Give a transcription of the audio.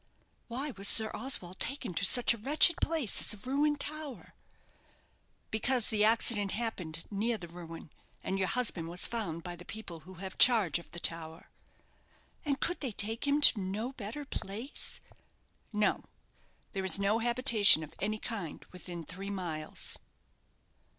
"Why was Sir Oswald taken to such a wretched place as a ruined tower?" "Because the accident happened near the ruin; and your husband was found by the people who have charge of the tower." "And could they take him to no better place?" "No. There is no habitation of any kind within three miles."